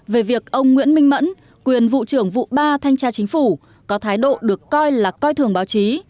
về việc ông nguyễn minh mẫn quyền vụ trưởng vụ ba thanh tra chính phủ có thái độ được coi là coi thường báo chí